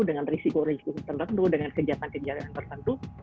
dengan risiko risiko tertentu dengan kejadian kejadian tertentu